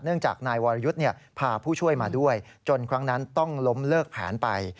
จากนายวรยุทธ์พาผู้ช่วยมาด้วยจนครั้งนั้นต้องล้มเลิกแผนไป